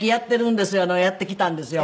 やってきたんですよ